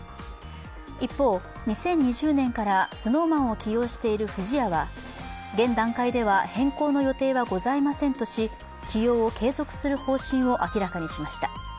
一方、２０２０年からＳｎｏｗＭａｎを起用している不二家は、現段階では変更の予定はございませんとし起用を継続する方針を明らかにしました。